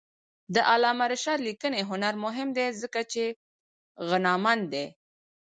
د علامه رشاد لیکنی هنر مهم دی ځکه چې غنامند دی.